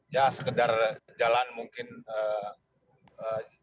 ya sekedar jalan mungkin tidak terlalu jauh ya